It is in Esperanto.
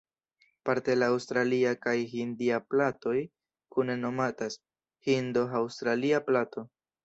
Parte la aŭstralia kaj hindia platoj kune nomatas "hindo-aŭstralia plato".